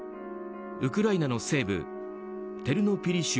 ウクライナの西部テルノピリ